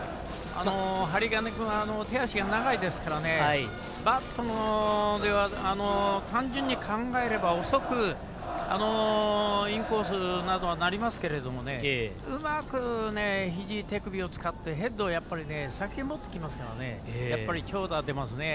針金君手足が長いですからバットの出は単純に考えれば遅くインコースなどはなりますけどもうまく、ひじ、手首を使ってヘッドを先に持ってきますからやっぱり長打が出ますね。